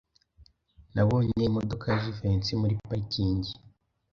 Nabonye imodoka ya Jivency muri parikingi.